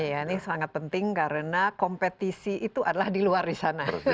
ini sangat penting karena kompetisi itu adalah di luar di sana